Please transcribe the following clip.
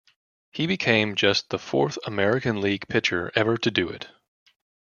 He became just the fourth American League pitcher ever to do it.